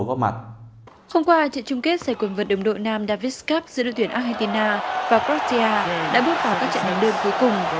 hôm qua trận chung kết giải quyền vượt đồng đội nam davis cup giữa đội tuyển argentina và croatia đã bước vào các trận đồng đơn cuối cùng